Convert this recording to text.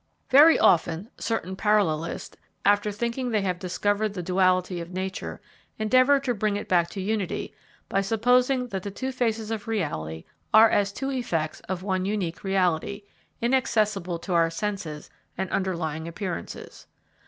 Very often, certain parallelists, after thinking they have discovered the duality of nature, endeavour to bring it back to unity by supposing that the two faces of the reality are as two effects of one unique reality, inaccessible to our senses and underlying appearances.